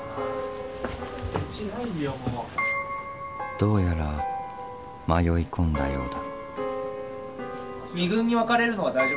どうやら迷い込んだようだ。